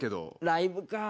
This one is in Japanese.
ライブかあ。